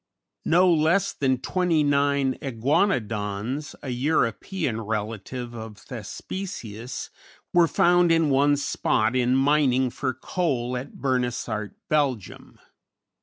No less than twenty nine Iguanodons, a European relative of Thespesius, were found in one spot in mining for coal at Bernissart, Belgium.